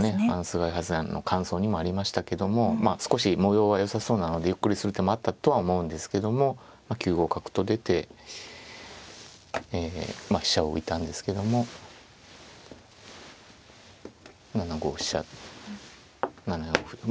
菅井八段の感想にもありましたけどもまあ少し模様はよさそうなのでゆっくりする手もあったとは思うんですけども９五角と出てえまあ飛車を浮いたんですけども７五飛車７四歩で。